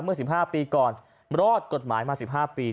เมื่อ๑๕ปีก่อนรอดกฎหมายมา๑๕ปี